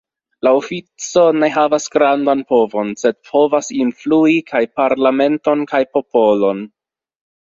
La ofico ne havas grandan povon, sed povas influi kaj parlamenton kaj popolon.